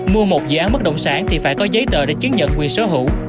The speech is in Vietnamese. mua một dự án bất động sản thì phải có giấy tờ để chứng nhận quyền sở hữu